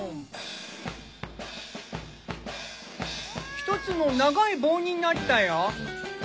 １つの長い棒になったよ。